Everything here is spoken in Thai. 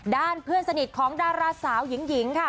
เพื่อนสนิทของดาราสาวหญิงค่ะ